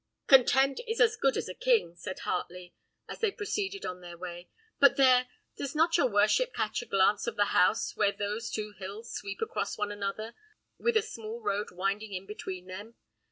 "Content is as good as a king," said Heartley, as they proceeded on their way. "But, there! does not your worship catch a glance of the house where those two hills sweep across one another, with a small road winding in between them?